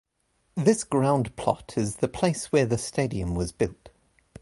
This groundplot is the place where the stadium was built.